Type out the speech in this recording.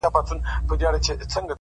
سترگي چي اوس نه برېښي د خدای له نور